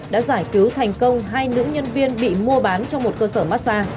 đã giải cứu thành công hai nữ nhân viên bị mua bán trong một cơ sở mát xa